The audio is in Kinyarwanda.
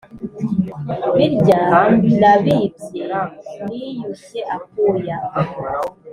birya nabibye niyushye akuya.